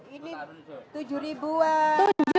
ini tujuh ribuan